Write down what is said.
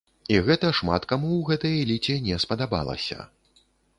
І гэта шмат каму ў гэтай эліце не спадабалася.